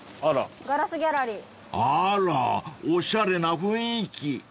［あらおしゃれな雰囲気］